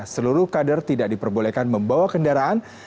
seluruh kader tidak diperbolehkan membawa kendaraan